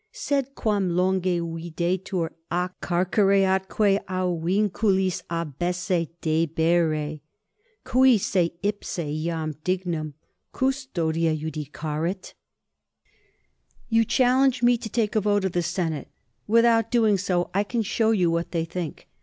Sed quam longe videtur a carcere atque a vinculis abesse debere, qui se ipse iam dignum custodia iudicarit? _You challenge me to take a vote of the Senate. Without doing so, I can show you what they think.